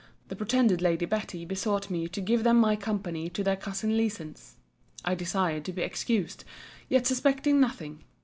The pretended Lady Betty besought me to give them my company to their cousin Leeson's. I desired to be excused: yet suspected nothing.